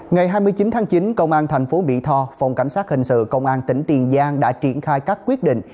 ngày hai mươi chín tháng chín công an thành phố mỹ tho phòng cảnh sát hình sự công an tỉnh tiền giang đã triển khai các quyết định